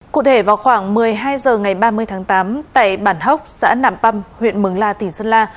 cụ thể vào khoảng một mươi hai h ngày ba mươi tháng tám tại bản hốc xã nạm păm huyện mường la tỉnh sơn la